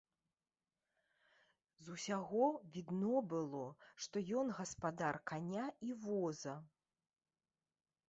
З усяго відно было, што ён гаспадар каня і воза.